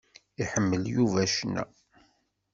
Iḥemmel Yuba ccna.